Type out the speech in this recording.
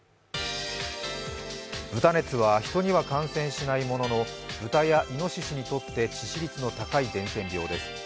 豚熱は、人には感染しないものの、豚やいのししにとって致死率の高い伝染病です